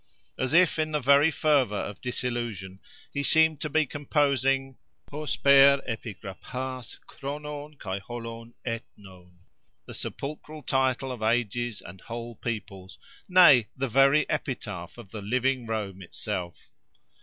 As if in the very fervour of disillusion, he seemed to be composing—Hôsper epigraphas chronôn kai holôn ethnôn+—the sepulchral titles of ages and whole peoples; nay! the very epitaph of the living Rome itself.